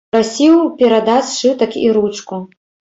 Прасіў перадаць сшытак і ручку.